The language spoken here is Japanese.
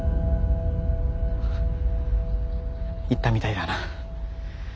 行ったみたいだな。